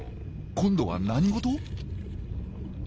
今度は何事？